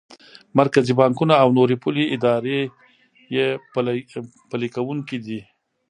مرکزي بانکونه او نورې پولي ادارې یې پلي کوونکی دي.